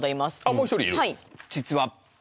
もう一人いる？